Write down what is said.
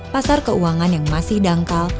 pasar keuangan yang masih dangkal